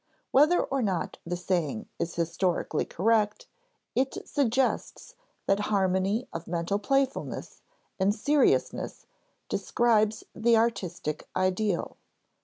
Whether or not the saying is historically correct, it suggests that harmony of mental playfulness and seriousness describes the artistic ideal.